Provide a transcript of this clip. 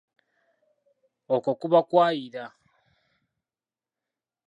Okwo kuba kwayira.